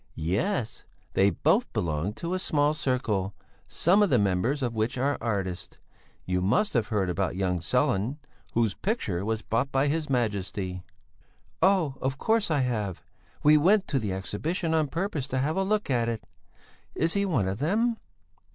"Yes, they both belong to a small circle, some of the members of which are artists. You must have heard about young Sellén, whose picture was bought by his Majesty?" "Of course, I have! We went to the Exhibition on purpose to have a look at it. Is he one of them?"